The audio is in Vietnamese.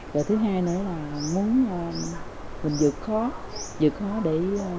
rồi thứ hai nữa là muốn mình dự khó dự khó để